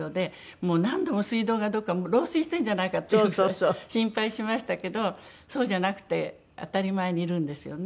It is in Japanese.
もう何度も水道がどこか漏水してるんじゃないかっていうぐらい心配しましたけどそうじゃなくて当たり前にいるんですよね。